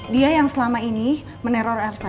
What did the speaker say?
dia yang selama ini meneror elsa